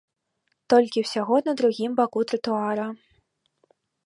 Толькі ўсяго на другім баку тратуара.